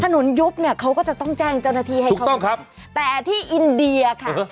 ยุบเนี่ยเขาก็จะต้องแจ้งเจ้าหน้าที่ให้เขาถูกต้องครับแต่ที่อินเดียค่ะ